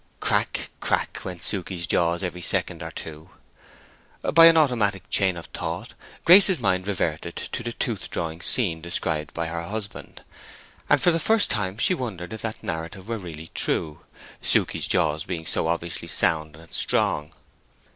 Crack, crack went Suke's jaws every second or two. By an automatic chain of thought Grace's mind reverted to the tooth drawing scene described by her husband; and for the first time she wondered if that narrative were really true, Susan's jaws being so obviously sound and strong.